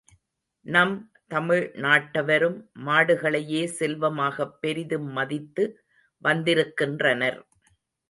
நம் தமிழ் நாட்டவரும் மாடுகளையே செல்வமாகப் பெரிதும் மதித்து வந்திருக்கின்றனர்.